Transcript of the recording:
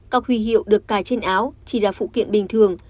corp huy hiệu được cài trên áo chỉ là phụ kiện bình thường